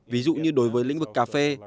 ví dụ như đối với lĩnh vực cà phê